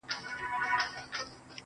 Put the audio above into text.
چي پكښي خوند پروت وي_